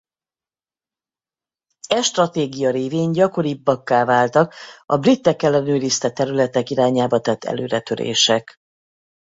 E stratégia révén gyakoribbakká váltak a britek ellenőrizte területek irányába tett előretörések.